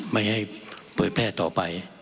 ไม่ให้เผยแพร่ต่อไป